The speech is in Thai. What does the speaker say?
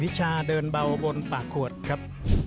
ชาเดินเบาบนปากขวดครับ